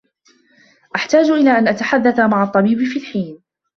أحتاج أن أتحدّث مع الطّبيب في الحين.